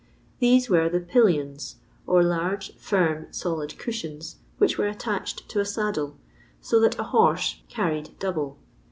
These were the *' pUliont, or large, firm, solid cushions which were attached to a saddle, so that a horse " carried double."